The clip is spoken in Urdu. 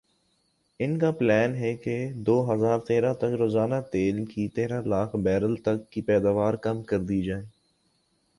ان کا پلان ھے کہ دو ہزار تیرہ تک روزانہ تیل کی تیرہ لاکھ بیرل تک کی پیداوار کم کر دی جائے